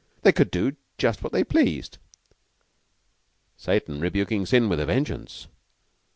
They could do just what they pleased." "Satan rebuking sin with a vengeance."